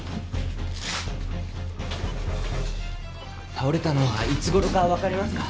倒れたのはいつごろか分かりますか？